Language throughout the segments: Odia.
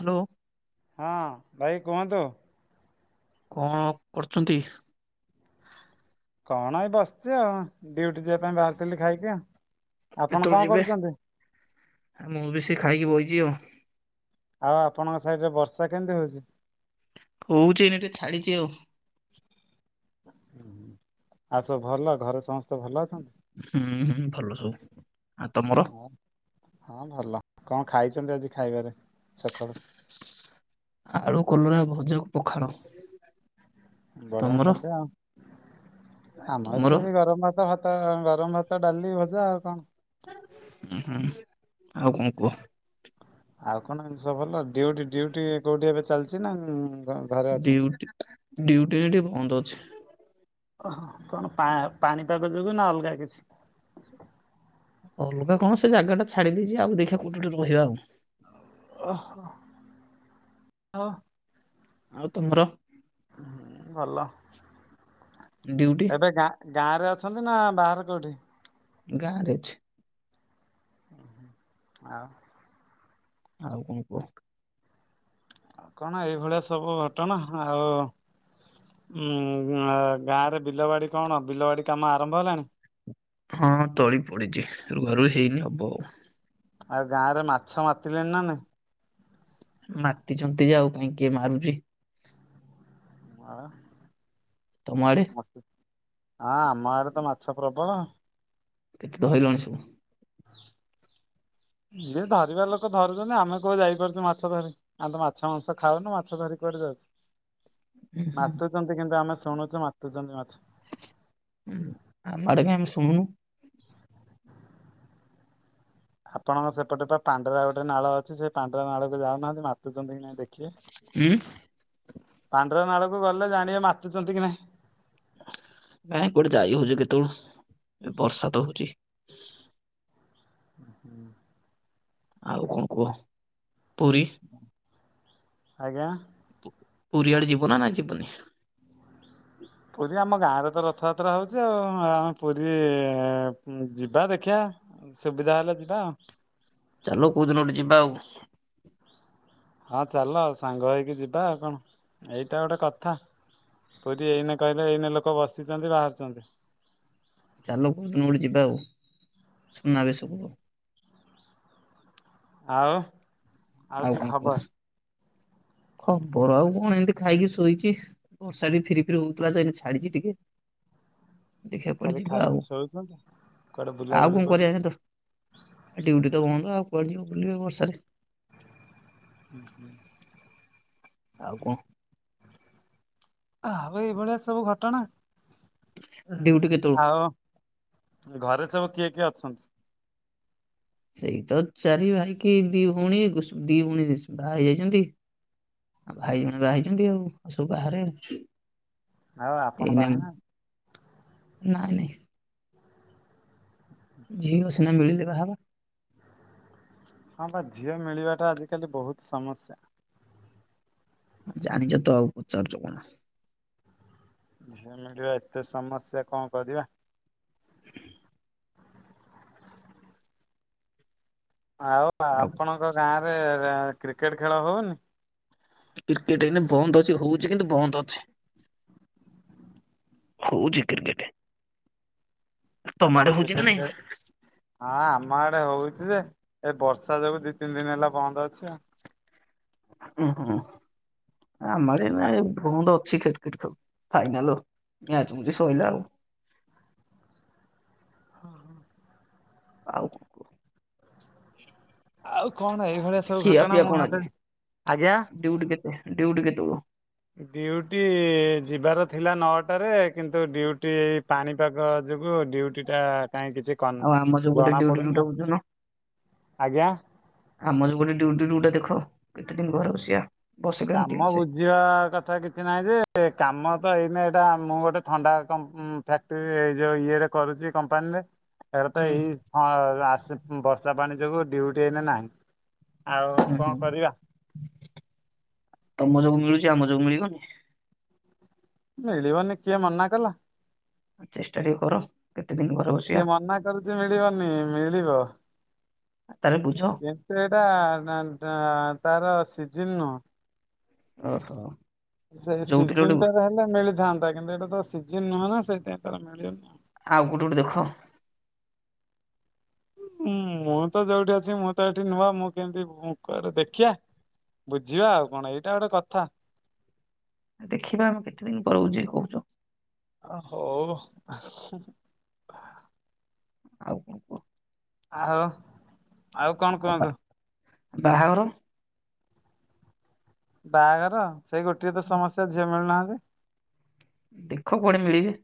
ହ୍ୟାଲୋ। ହଁ ଭାଇ କୁହନ୍ତୁ। କଣ କରୁଛନ୍ତି? କଣ ଏଇ ବସିଛି ଆଉ। ଡ଼ିଉଟି ଯିବା ପାଇଁ ବାହାରିଥିଲି ଖାଇକି ଆଉ। ଆପଣ କେତେବେଳେ କଣ ଯିବେ? କରୁଛନ୍ତି? ମୁଁ ବି ସେଇ ଖାଇକି ବଇଚି ଆଉ। ଆଉ ଆପଣଙ୍କ ସାଇଡରେ ବର୍ଷା କେମିତି ହୋଉଛି? ହଉଛିନି ଟିକେ ଛାଡିଛି ଆଉ। ଆଉ ସବୁ ଭଲ ଘରେ ସମସ୍ତେ ଭଲ ଅଛନ୍ତି? ହୁଁ ହୁଁ ଭଲ ସବୁ। ଆ ତମର? ହଁ ହଁ ଭଲ। କଣ ଖାଇଛନ୍ତି ଆଜି ଖାଇବାରେ ସକାଳୁ? ଆଳୁ କଲରା ଭଜାକୁ ପଖାଳ। ବଢିଆ ତମର ଖାଦ୍ୟ ଆଉ। ଆମର ତମର ସେଇ ଗରମ ଭାତ ଭା ତ ଗରମ ଭାତ ଡାଲି ଭଜା ଆଉ କଣ। ଉହୁଁ ଆଉ କଣ କୁହ? ଆଉ କଣ ଏମିତି ସବୁ ଭଲ। ଡ଼ିଉଟି ଡଉଟି କୋଉଠି ଏବେ ଚାଲିଛି ନା ଘରେ ଅଛନ୍ତି? ଡିଉଟି ଡିଉଟି ଏନା ଟିକେ ବନ୍ଦ ଅଛି। ଓହୋ କଣ ପା ପାଣିପାଗ ଯୋଗୁ ନା ଅଲଗା କିଛି? ଅଲଗା କଣ ସେ ଜାଗା ଟା ଛାଡି ଦେଇଛି ଆଉ ଦେଖିବା କୋଉଠି ଗୋଟେ ରହିବା ଆଉ। ଓହ ଓ ଆଉ ତମର ହୁଁ ଭଲ ଡ୍ୟୁଟି ଏବେ ଗାଁ ଗାଁ ରେ ଅଛନ୍ତି ନା ବାହାରେ କୋଉଠି? ଗାଁରେ ଅଛି। ଓ ଆଉ ଆଉ କଣ କୁହ? କଣ ଏଇ ଭଳିଆ ସବୁ ଘଟଣା ଆଉ ଉୁଁ ଗାଁ ରେ ବିଲବାଡି କଣ ବିଲବାଡି କାମ ଆରମ୍ଭ ହେଲାଣି? ହଁ ତଳି ପଡିଛି ରୁଆ ରୁଇ ହେଇନି ହବ ଆଉ। ଆଉ ଗାଁ ରେ ମାଛ ମାତିଲେେଣି ନା ନାହିଁ? ମାତିଛନ୍ତି ଯେ ଆଉ କାହିଁ କିିଏ ମାରୁଛି? ହଁ ତମଆଡ଼େ? ହଁ ଆମ ଆଡେ ତ ମାଛ ପ୍ରବଳ କେତେ ଧରିଲଣି ସବୁ? [inaudible] ଯିଏ ଧରିବା ଲୋକ ଧରୁଛନ୍ତି, ଆମେ କୋଉ ଯାଇପାରୁଛୁ ମାଛ ଧରି। ଆଉ ତ ମାଛ ମାଂସ ଖାଉନୁ, ମାଛ ଧରି କୁଆଡେ ଯାଉଛି। ହୁଁ ହୁଁ ମାତୁଛନ୍ତି, କିନ୍ତୁ ଆମେ ଶୁଣୁଛୁ ମାତୁଛନ୍ତି ମାଛ। ହଁ ଆମ ଆଡେ କାଇଁ ଆମେ ଶୁଣୁନୁ ଆପଣଙ୍କ ସେପଟେ ବା ପାଣ୍ଡରା ଗୋଟେ ନାଳ ଅଛି। ସେ ପାଣ୍ଡରା ନାଳକୁ ଯାଉନାହାନ୍ତି ମାତୁଛନ୍ତି କି ନାଇଁ ଦେଖିବେ। ହୁଁ। ପାଣ୍ଡରା ନାଳକୁ ଗଲେ ଜାଣିବେ ମାତିୁଛନ୍ତି କି ନାଇଁ। ନାଇଁ କୋଟେ ଯାଇ ହଉଛି କେତେବେଳୁ, ବର୍ଷା ତ ହଉଛି। [unintelligible] ଆଉ କଣ କୁହ ପୁରୀ? ଆଜ୍ଞା। ପୁରୀ ଆଡେ ଯୀବ ନା ଯିବନି? ପୁରୀ ଆମ ଗାଁରେ ତ ରଥଯାତ୍ରା ହଉଛି ଆଉ, ଆମେ ପୁରୀ ଯିବା ଦେଖିବା। ସୁବିଧା ହେଲେ ଯିବା। ଚାଲୁନ କୋଉ ଦିନ ଗୋଟେ ଯିବା ଆଉ। ହଁ ଚାଲ ସାଙ୍ଗ ହେଇକି ଯିବା ଆଉ କଣ ଏଇଟା ଗୋଟେ କଥା। ପୁରୀ ଏଇନେ କହିଲେ, ଏଇନେ ଲୋକ ବସିଛନ୍ତି ବାହାରୁଛନ୍ତି। ଚାଲ କୋୖଦିନ ଗୋଠେ ଯିବା ଆଉ, ସୁନାବେସ କୁ। ଆଉ। ଆଉ କି କଣ ଖବର କୁହ? ଖବର ଆଉ କଣ, ଏମିତି ଖାଇକି ଶୋଇଛି। ବର୍ଷା ଫିରି ଫିରି ହଉଥିଲାନି ଛାଡିଛି ଟିକେ। ଦେଖିବା କୁଆଡେ ଖାଲି ଯିବା ଖାଇକି ଆଉ ଶୋଉଛନ୍ତି କୁଆଡେ ଆଉ ବୁଲାବୁଲି କଣ କରୁନି। କରିବା ତ। ଡିଉଟି ତ ବନ୍ଦ ଆଉ କୁଆଡେ ଯିବ ବୁଲିବେ ବର୍ଷାରେ। ହୁଁ ହୁଁ। ଆଉ କଣ? ଆଉ ଏଇଭଳିଆ ସବୁ ଘଟଣା ଡ୍ୟୁଟି କେତେବେଳୁ ଆଉ। ଘରେ ସବୁ କିଏ କିଏ ଅଛନ୍ତି? ସେଇ ତ ଚାରି ଭାଇ କି ଦି ଭଉଣୀ, ଦି ଭଉଣୀ ବାହା ହେଇ ଯାଇଛନ୍ତି। ଆଉ ଭାଇ ଜଣେ ବାହାହେଇ ଆଉ ଆଉ ସବୁ ବାହାରେ ଆଉ। ଆଉ ଆପଣ ଏଇନା, ବାହା ହେଇନାହାନ୍ତି? ନାଇଁ ନାଇଁ। ଝିଅ ସିନା ମିଳିଲେ ବାହା ହେବ। ହଁ ବା ଝିଅ ମିଳିବାଟା ଆଜିକାଲି ବହୁତ ସମସ୍ୟା। ଜାଣିଛ ତ ଆଉ ପଚାରୁଚ କଣ? ଝିଅ ମିଳିବା ଏତେ ସମସ୍ୟା କଣ କରିବା? [inaudible] ଆଉ ଆପଣଙ୍କ ଗାଁରେ କ୍ରିକେଟ ଖେଳ ହଉନି। କ୍ରିକେଟ ଏଇନେ ବନ୍ଦ ଅଛି, ହଉଚି କିନ୍ତୁ ବନ୍ଦ ଅଛି। ହଉଛି କ୍ରିକେଟ। ଆପଣ ତମଆଡ଼େ ହଉଛି କ୍ରିକେଟ ନା ଖେଳ ନାଇଁ। ହଁ ଆମ ଆଡେ ହଉଛି ଯେ, ଏ ବର୍ଷା ଯୋଗୁ ଦି ତିନି ଦିନ ହେଲା ବନ୍ଦ ଅଛି ଆଉ। ଉଁ ହୁଁ ଆମର ଏଇନେ ଆଉ। ବନ୍ଦ ଅଛି କ୍ରି କେଟ। ଫାଇନଲ୍ ମ୍ୟାଚ ଆଜି ସଇଲା ଆଉ। ଆଉ। କୁହ ଆଉ କଣ ଏ ଖିଆପିଆ ପିଆ କଣ ଆଜି? ଆଜ୍ଞା। ଡ୍ୟୁଟି ଯିବାର ଥିଲା ନଅଟାରେ କିନ୍ତୁ ଡ୍ୟୁଟି ଏଇ ପାଣିପାଗ ଯୋଗୁ ଡ୍ୟୁଟି ଟା କାହିଁ କିଛି କନ ଆଉ ଆମ ଯୋଉ ଗୋଟେ ଜଣା ଡ୍ୟୁଟି ପଡୁନି ଡ୍ୟୁଟା ବୁଝୁନ। ଆଜ୍ଞା। ଆମର ଗୋଟେ ଡ୍ୟୁଟି ଡ୍ୟୁଟା ଦେଖ କେତେ ଦିନ ଘର ବସିଆ? କାମ ବୁଝି ଯିବା କଥା କିଛି ନାହିଁ ଯେ, କାମ ତ ଏଇନେ ଏଇଟା ମୁଁ ଗୋଟେ ଥଣ୍ଡା କ ଫ୍ୟାକ୍ଟ୍ରିରେ ଯୋଉ ଇଏରେ କରୁଚି କମ୍ପାନୀରେ। ତାର ତ ହୁଁ ଏଇ ଅ ଆସି ବର୍ଷା ପାଣି ଯୋଗୁ ଡ୍ୟୁଟି ଏଇନା ନାହିଁ। ଆଉ ହୁଁ କଣ ହୁଁ କରିବା? ତମ ଯୋଗୁ ମିଳୁଚି। ଆମ ଯୋଗୁ ମିଳିବନି। ମିଳିିବନି କିଏ ମନାକଲା? ଚେଷ୍ଟା ଟିକେ କର। କେତେ ଦିନ ଘ କିଏ ମନା କରୁଛି ମିଳିବନି? ମିଳିବ। ତା ହେଲେ ବୁଝ। ଇମ୍ପ୍ରେଟା ତା-ତା -ତାର ସିଜନ୍ ନୁହଁ। ଓହୋ। ସେ ଯୋଉଠି ଗୋଟେ ସିଜିନଟାରେ ହେଲେ ମିଳିଥାନ୍ତା କିନ୍ତୁ ଏଇଟା ତ ସିଜିିନ ନୁହେଁ ନା ସେଇଥିାଇଁ ତାର ମିଳିନି। ଆଉ କୋଉଠି ଗୋଟେ ଦେଖ? ମୁଁ ତ ଯୋଉଠି ଅଛି, ମୁଁ ତ ଏଠି ନୂଆ, ମୁଁ କେମିତି କୁଆଡେ ଦେଖିବା? ବୁଝିବା ଆଉ କଣ? ଏଇଟା ଗୋଟେ କଥା। ଦେଖିବା, ଆମ କେତେ ଦିନ ପଳଉଛି କହୁଛୁ? ଆ ହଉ। ଆଉ କଣ କୁହ? ଆଉ ଆଉ କଣ କୁହନ୍ତୁ? ବାହାଘର ବାହାଘର ସେଇ ଗୋଟିଏ ତ ସମସ୍ୟା, ଝିଅ ମିଳୁନାହାନ୍ତି। ଦେଖ କୁଆଡେ ମିଳିବେ,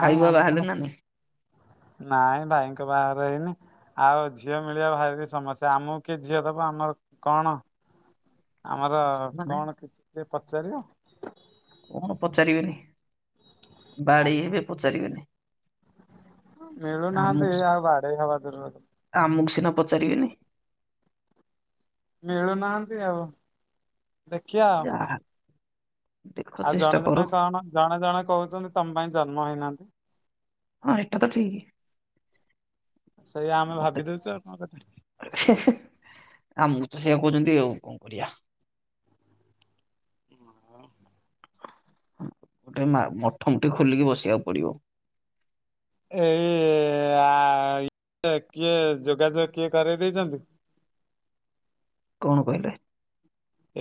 ଭାଇ ବା ଆମେ କଣ ବାହାହେଲେ ନା ନାହିଁ। ନାଇଁ ଭାଇଙ୍କ ବାହାଘର ହେଇନି। ଆଉ ଝିଅ ମିଳିବା ଭାରି ସମସ୍ୟା। ଆମକୁ କିଏ ଝିଅ ଦବ, ଆମର କଣ? ଆମର ମାନେ କଣ କିଛି ଟିକେ ପଚାରିବ? କଣ ପଚାରିବେନି ନାଇଁ ବାଡେଇ ମ ହେବେ ପଚାରିବେନି। ମିଳୁନାହାନ୍ତି ଆମକୁ ସି- ଆଉ ବାଡେଇ ହବା ଦୂରର କ ଆମକୁ ସିନା ପଚାରିବେନି। ମିଳୁନାହାନ୍ତି ଆଉ ଦେଖିବା ଆଉ। ଯାହା ଦେଖ ଆଉ ଚେଷ୍ଟା ଜଣେ କର ଜଣେ କଣ ଜଣେ ଜଣେ କହୁଛନ୍ତି ତମ ପାଇଁ ଜନ୍ମ ହେଇନାହାନ୍ତି। ହଁ ଏଇଟା ତ ଠିକ୍। ସେଇଆ ଆମେ ମତେ ଭାବି ଦଉଛୁ ଆଉ କଣ କଥା। ଆମକୁ ତ ସେଇଆ କହୁଛନ୍ତି ଆଉ କଣ କରିବା। ହୁ। ଗୋଟେ ମା ମଠ ମୁଠି ଖୋଲିକି ବସିବାକୁ ପଡିବ। ଏଇ ଇ ଆ କିଏ ଯୋଗାଯୋଗ କିଏ କରେଇ ଦେଇେଇଛନ୍ତି। କଣ କହିଲେ?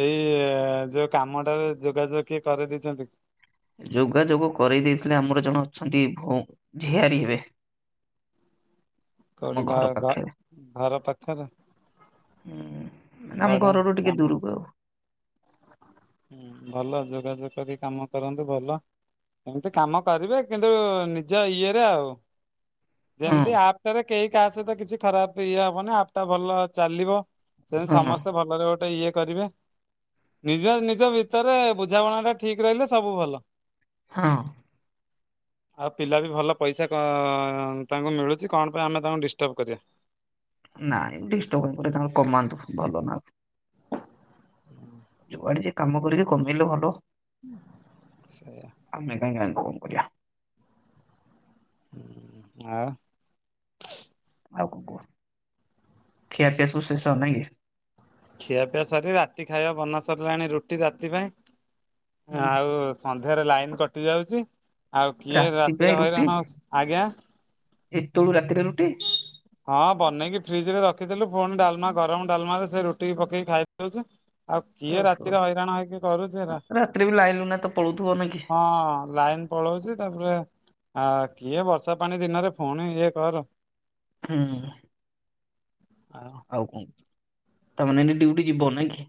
ଏଇ ଯୋଉ କାମଟାରେ ଯୋଗାଯୋଗ କିଏ କରିଦେଇଛନ୍ତି? ଯୋଗାଯୋଗ କରଇ ଦେଇଥିଲେ ଆମର ଜଣେ ଅଛନ୍ତି ଭ ଝିଆରୀ ହେବେ। ଆମ କୋଉଠି ଘ ଘର ଘ ପାଖରେ ଘର ପାଖରେ? ହୁଁ ମାନେ ଆମ ବଢିଆ ଘରରୁ ଟିକେ କାମ। ଦୂରକୁ ଆଉ। ହୁଁ ଭଲ ଯୋଗାଯୋଗ କରି କାମ କରନ୍ତୁ ଭଲ। ଏମିତି କାମ କରିବେ କିନ୍ତୁ ନିଜ ଇଏରେ ଆଉ। ଆଉ ଯେମତି ଆପ୍ଟାରେ କେହି କାହା ସହିତ କିଛି ଖରାପ ଇଏ ହବନି ଆପ୍ ଟା ଭଲ ଚାଲିବ। ସେନ୍ତି ହଁ ହଁ ସମସ୍ତେ ଭଲରେ ଗୋଟେ ଇଏ କରିବେ। ନିଜ ନିଜ ଭିତରେ ବୁଝାମଣା ଟା ଠିକ ରହିଲେ ସବୁ ଭଲ। ହଁ। ଆଉ ପିଲା ବି ଭଲ ପଇସା କଅ ତାଙ୍କୁ ମିଳୁଚି କଣ ପାଇଁ ଆମେ ତାଙ୍କୁ ଡିଷ୍ଟର୍ବ କରିବା। ନାଇଁ ଡିଷ୍ଟ୍ରବ କାଇଁ କରିବା ତାଙ୍କର କମାନ୍ତୁ ଭଲ ନା ଆଉ। ଯୁଆଡେ ଯିଏ କାମ କରିକି କମେଇଲେ ଭଲ। ସେୟା। ଆମେ କାଇଁ ଗାଁଇ କଣ କରିଆ। ଆଉ। ଆଉ କଁ କୁଅ ଖିଆପିଆ ସବୁ ଶେଷ ନାଇଁ କି। ଖିଆ ପିଆ ସାରି ରାତି ଖାଇବା ବନା ସରିଲାଣି ରୁଟି ରାତି ପାଇଁ ହୁଁ ଆଉ ସନ୍ଧ୍ୟାରେ ଲାଇନ କଟି ଯାଉଚି ଆଉ କିଏ ରାତି ରାତିରେ ହଇରାଣ ହଉଛି ଆଜ୍ଞା ଏତେଳୁ ରାତିରେ ରୁଟି? ହଁ ବନେଇକି ଫ୍ରିଜ୍ ରେ ରଖିଥେଲୁ ଫୁଣି ଡାଲ୍ମା ଗରମ୍ ଡାଲ୍ମାରେ ସେ ରୁଟିକି ପକେଇକି ଖାଇ ଦୋଉଛୁ। ଆଉ କିଏ ଓହୋ ରାତିରେ ହଇରାଣ ହେଇକି କରୁଚେରା। ରାତିରେ ବି ଲାଇନ ଲୁନା ତ ପଳଉଥିବ ନାଇଁ କି ହଁ, ଲାଇନ୍ ପଳୋଉଚି ତାପରେ ଆ କିଏ ବର୍ଷା ପାଣି ଦିନରେ ଫୁଣି ଇଏ କର। ହୁଁ। ଆଉ ଆଉ କଁ ତାମାନେ ଏଇନା ଡିଉଟି ଯିବ ନାଇଁ କି?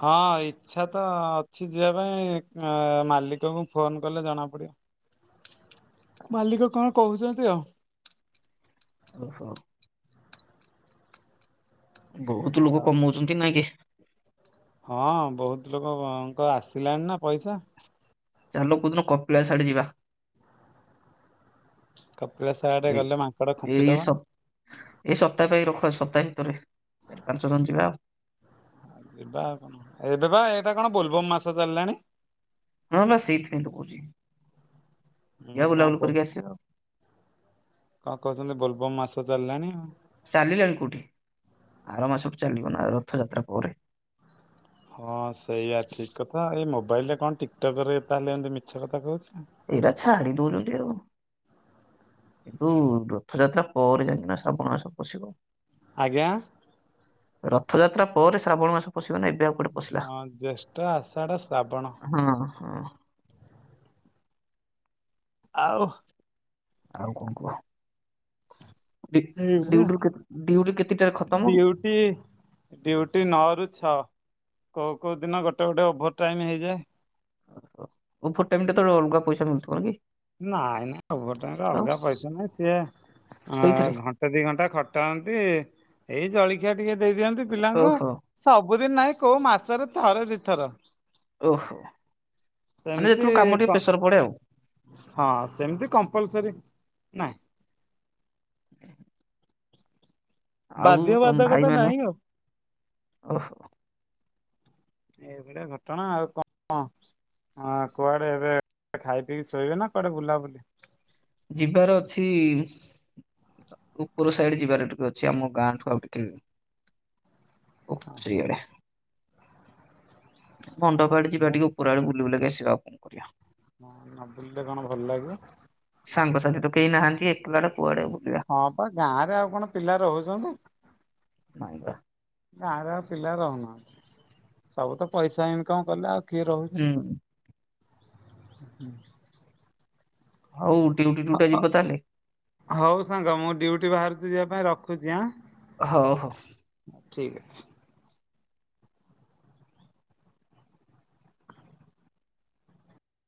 ହଁ ଇଚ୍ଛା ତ ଅଛି ଯିବା ପାଇଁ ଏ ମାଲିକକୁ ଫୋନ୍ କଲେ ଜଣା ପଡିବ। ମାଲିକ କଣ କହୁଛନ୍ତି ଆଉ। ଓହୋ। ବୋହୁତ୍ ଲୋକୋ ଆଉ କମୋଉଛନ୍ତି ନାଇ କି। ହଁ ବୋହୁତ ଲୋକୋୱଙ୍କ ଆସିଲାଣି ନା ପଇସା। ଚାଲ କୋଉ ଦିନ କପିଳାସ୍ ଆଡେ ଯିବା। କପିିଲାସ୍ ଆଡେ ଏଇ ଗଲେ ମାଙ୍କଡ ଏଇ ଖୁମ୍ପିଦବ ସପ୍- ନି। ଏଇ ସପ୍ତା ପାଇଁ ରଖ, ସପ୍ତାହେ ଭିତରେ। ରି ପାଞ୍ଚ ଜଣ ଯିବା ଆଉ। ଯିବା ଆଉ କଣ, ଏବେ ବା, ଏଇଟା କଣ ବୋଲବମ୍ ମାସ ଚାଲିଲାଣି। ହଁ ବା ସେଇଥି ପାଇଁ ତ କୋହୁଚି। ହୁଁ ଯିବା କଣ ବୁଲାବୁଲି କରିକି ଆସିବା ଆଉ। କଁ କୋହୁଚନ୍ତି ବୋଲବମ୍ ମାସ ଚାଲଲାଣି ଆଉ। ଚାଲିଲାଣି କୋଉଠି, ଆର ମାସଠୁ ଚାଲିବନା ରଥଯାତ୍ରା ପରେ। ହଁ, ସେଇଆ ଠିକ୍ କଥା। ଏ ମୋବାଇଲରେ କଣ ଟିକଟକ୍ ରେ ତାହେଲେ ଏମତି ମିଛ କଥା କହୁଛି। ଏଇଟା ଛାଡ଼ି ଦୋଉଚନ୍ତି ଆଉ। ହୁଁ, ରଥଯାତ୍ରା ପରେ ଜାଇକନା ଶ୍ରାବଣ ମାସ ପସିବ। ଆଜ୍ଞା ରଥଯାତ୍ରା ପରେ ଶ୍ରାବଣ ମାସ ପଶିବନା ଏବେ ଆଉ କୁଆଡେ ପଶିଲା ହଁ, ଜେଷ୍ଠ, ଆଷାଢ଼, ଶ୍ରାବଣ। ହୁଁ, ହୁଁ। ଆଉ ଆଉ କଁ କୁହ? ଡି, ଏଇଭଳିଆ ଡିଉଟିରୁ କେତ୍, ଡିଉଟି କେତିଟାରେ ଖତମ? ହୁଁ ଡିଉଟି ନଅରୁ ଛଅ। କୋଉ, କୋଉ ଦିନ ଗୋଟେଗୋଟେ ଓଭୋର୍ ଟାଇମ୍ ହେଇଯାଏ। ଓହେ ଓଫୋର୍ ଟାଇମ୍ କେତେଳେ ଅଲଗା ପଇସା ମିଳଥୁବ କି? ନାଇଁ, ନାଇଁ ଓଭୋର୍ ଟାଇମରେ ଆଉ ଅଲଗା ପଇସା ନହିଁ। ସିଏ ସେଇଥିରେ ଘନ୍ ଘଣ୍ଟେ, ଦି ଘଣ୍ଟା ଖଟାହନ୍ତି। ଏଇ ଜଳଖିଆ ଟିକେ ଦେଇଦିଅନ୍ତି ପିଲାଙ୍କୁ। ଓହୋ ସବୁଦିନ୍ ନାଇଁ, କୋଉ ମାସରେ ଥରେ ଦି ଥର। ଓହୋ, ମାନେ ସେମିତି ଯେତେବେଳୁ କାମ କ ଟିକେ ପେସର୍ ପଡେ ଆଉ। ହଁ, ସେମିତି କମ୍ପଲସରି ନାଇଁ। ଆଉ ବାଧ୍ୟ ତମ୍ ଭାଇ ବାଧକତା ମାନେ, ନାହିଁ ଆଉ ଓହୋ। ଏଇ ଭଳିଆ ଘଟଣା ଆଉ କଁ-ଅଁ। ହଁ, କୁଆଡେ ଏବେ ଖାଇ, ପିଇକି ଶୋଇବେ, ନାଁ କୁଆଡେ ବୁଲାବୁଲି? ଯିବାର ଅଛି। ଉପର ସାଇଡ୍ ଯିବାରେ ଟିକେ ଅଛି ଆମ ଗାଁ ଠୁ ଆଉ ଟିକେ ଓ ଚିଆଡେ। ମଣ୍ଡପ ଆଡେ ଯିବା ଟିକେ ଉପର ଆଡେ ବୁଲି ବୁଲାକି ଆସିବା ଆଉ କଣ କରିବା। ହ ନବୁଲଟେ କଣ ଭଲ ଲାଗିବ। ସାଙ୍ଗସାଥି ତ କେହି ନାହାନ୍ତି ଏକଲାଟା କୁଆଡେ ଆଉ। ହଁ ପା, ଗାଁ ରେ ଆଉ କଣ ପିଲା ରହୁଚନ୍ତି। ନାଇଁ ବା ଗାଁରେ ଆଉ ପିଲା ରହୁନାହାନ୍ତି, ସବୁ ତ ପଇସା ଇନକମ୍ କଲେ ଆଉ। କିଏ ରହୁଚି। ହୁଁ। ହଉ ଉଡିଉଡି ଟୁଟା ଯିବ ତାଲେ। ହଉ ସାଙ୍ଗ ମୁଁ ଡୁଉଟି ବାହାରୁଚି ଯିବା ପାଇଁ ରଖୁଚି ଆଁ? ହଉ ହଉ। ଠିକ୍ ଅଛି।